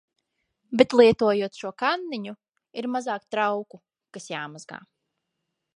Bet lietojot šo kanniņu ir mazāk trauku, kas jāmazgā.